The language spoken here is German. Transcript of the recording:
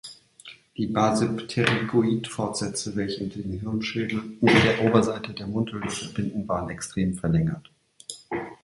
Die Basipterygoid-Fortsätze, welche den Hirnschädel mit der Oberseite der Mundhöhle verbinden, waren extrem verlängert.